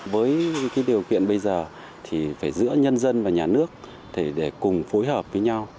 với điều kiện bây giờ thì phải giữa nhân dân và nhà nước để cùng phối hợp với nhau